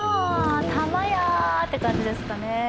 たまや！って感じですかね。